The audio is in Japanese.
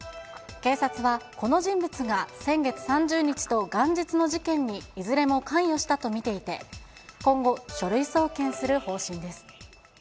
警察は、この人物が先月３０日と元日の事件に、いずれも関与したと見ていて、今後、書類送検する方針です。